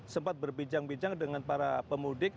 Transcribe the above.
sempat berbincang bincang dengan para pemudik